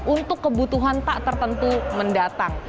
untuk kebutuhan tak tertentu mendatang